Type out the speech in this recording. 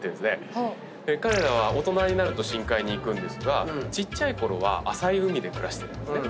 彼ら大人になると深海に行くんですがちっちゃいころは浅い海で暮らしてるんですね。